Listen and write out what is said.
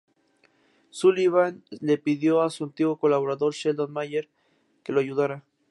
Sullivan le pidió a su antiguo colaborador Sheldon Mayer que lo ayudara.